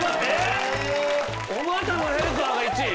おまたのヘルパーが１位！？